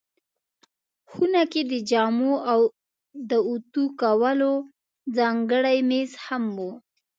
خونه کې د جامو د اوتو کولو ځانګړی مېز هم و.